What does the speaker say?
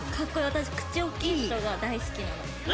私口大きい人が大好きなの。